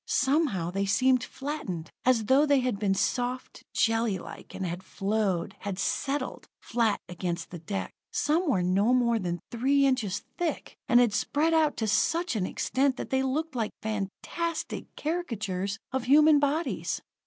Somehow, they seemed flattened, as though they had been soft, jellylike, and had flowed, had settled, flat against the deck. Some were no more than three inches thick, and had spread out to such an extent that they looked like fantastic caricatures of human bodies.